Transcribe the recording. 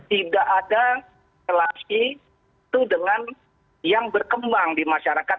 tidak ada relasi itu dengan yang berkembang di masyarakat